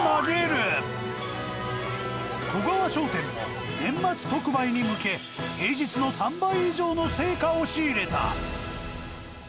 外川商店は年末特売に向け、平日の３倍以上の青果を仕入れた。